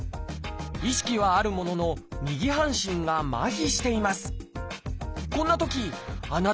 意識はあるものの右半身がまひしています。